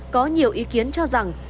có nhiều ý kiến cho rằng